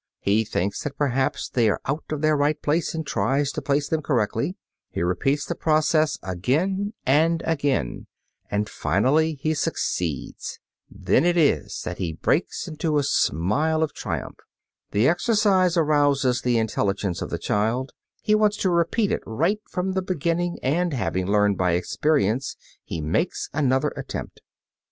He thinks that perhaps they are out of their right place and tries to place them correctly. He repeats the process again and again, and finally he succeeds. Then it is that he breaks into a smile of triumph. The exercise arouses the intelligence of the child; he wants to repeat it right from the beginning and, having learned by experience, he makes another attempt.